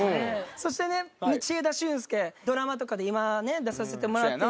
そしてね道枝駿佑ドラマとかで今出させてもらってて。